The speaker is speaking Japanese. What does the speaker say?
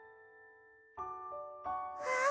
あっ！